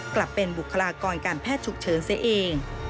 กลับเป็นบุคลากรการแพทย์ฉุกเฉินเสียเอง